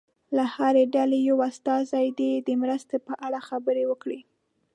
له هرې ډلې یو استازی دې د مرستې په اړه خبرې وکړي.